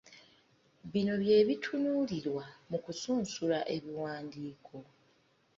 Bino bye bitunuulirwa mu kusunsula ebiwandiiko.